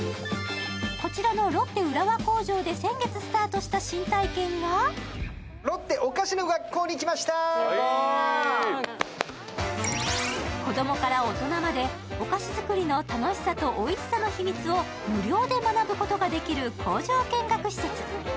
こちらのロッテ浦和工場で先月スタートした新体験が子供から大人までお菓子作りの楽しさとおいしさを無料で学ぶことができる工場見学施設。